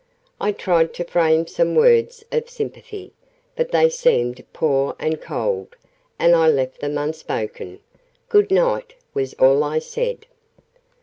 I tried to frame some words of sympathy; but they seemed poor and cold, and I left them unspoken. "Good night!" was all I said.